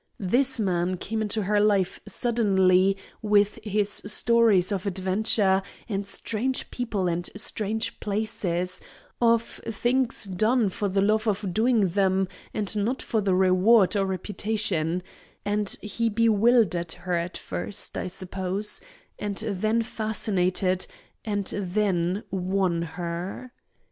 This man came into her life suddenly with his stories of adventure and strange people and strange places, of things done for the love of doing them and not for the reward or reputation, and he bewildered her at first, I suppose, and then fascinated, and then won her.